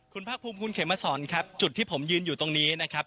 คุณภาคภูมิคุณเขมมาสอนครับจุดที่ผมยืนอยู่ตรงนี้นะครับ